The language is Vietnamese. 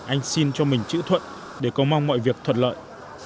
anh xin cho mình chữ thuận để cầu mong mọi việc thuật lợi